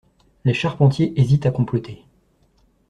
Les charpentiers hésitent à comploter.